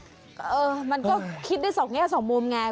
เออมันก็คิดได้สองแง่สองมุมไง